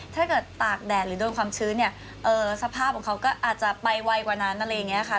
ถ้าเกิดตากแดดหรือโดนความชื้นเนี่ยสภาพของเขาก็อาจจะไปไวกว่านั้นอะไรอย่างนี้ค่ะ